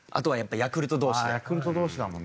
ヤクルト同士だもんね。